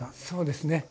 そうですね。